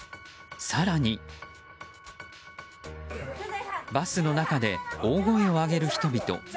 更に、バスの中で大声を上げる人々。